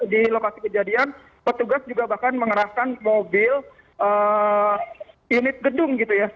di lokasi kejadian petugas juga bahkan mengerahkan mobil unit gedung gitu ya